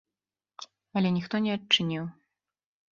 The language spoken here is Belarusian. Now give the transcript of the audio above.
Але ніхто не адчыніў.